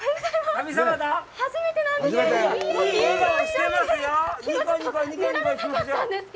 初めてなんです！